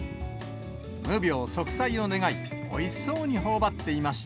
無病息災を願い、おいしそうにほおばっていました。